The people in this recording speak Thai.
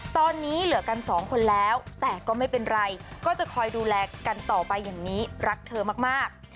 ตอนนี้เหลือกันสองคนแล้วแต่ก็ไม่เป็นไรก็จะคอยดูแลกันต่อไปอย่างนี้รักเธอมาก